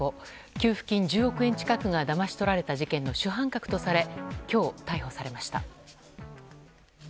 給付金１０億円近くがだまし取られた事件の主犯格とされ今日、逮捕されました。